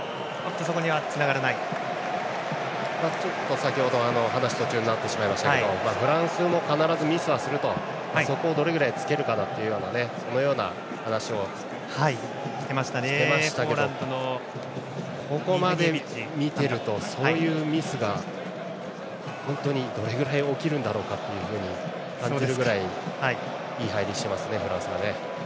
先ほど話の途中になってしまいましたけどフランスも必ずミスはするのでそれをどれくらい突けるかそのような話をしていましたがここまで見ているとそういうミスが本当にどれぐらい起きるんだろうかというふうに感じるぐらいいい入りをしています、フランス。